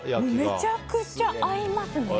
めちゃくちゃ合いますね。